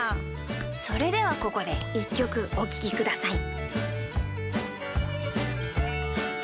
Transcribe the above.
それではここでいっきょくおききください。